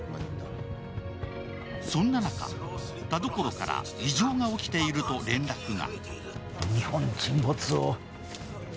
そんな中、田所から異常が起きていると連絡が。